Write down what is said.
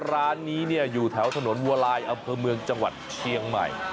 ร้านนี้อยู่แถวถนนวัวลายอำเภอเมืองจังหวัดเชียงใหม่